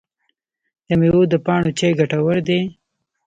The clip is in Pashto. د میوو د پاڼو چای ګټور دی؟